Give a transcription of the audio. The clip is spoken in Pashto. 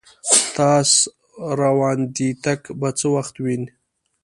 تاس روانیدتک به څه وخت وین